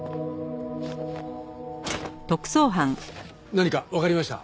何かわかりました？